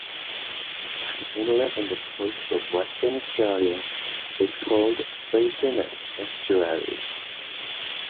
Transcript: An inlet on the coast of Western Australia is called Freycinet Estuary.